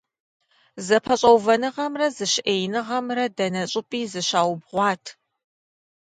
ЗэпэщӀэувэныгъэмрэ зэщыӀеиныгъэмрэ дэнэ щӀыпӀи зыщаубгъуат.